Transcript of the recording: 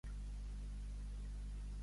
Què li plau a l'home?